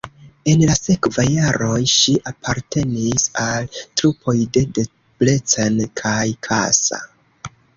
En la sekvaj jaroj ŝi apartenis al trupoj de Debrecen kaj Kassa.